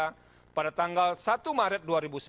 pada tanggal satu maret dua ribu sembilan belas